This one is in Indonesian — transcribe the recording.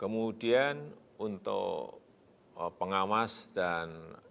kemudian untuk pengawas dan